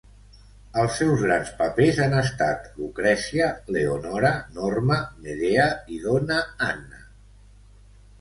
Els seus grans papers han estat Lucrezia, Leonora, Norma, Medea i Donna Anna.